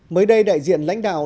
mới đây đại diện lãnh đạo